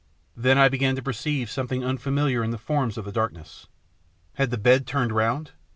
Then I began to perceive something unfamiliar in the forms of the darkness. Had the bed turned round